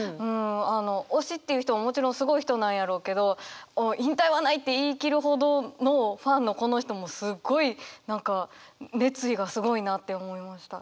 推しっていう人ももちろんすごい人なんやろうけど「引退はない」って言い切るほどのファンのこの人もすごい何か熱意がすごいなって思いました。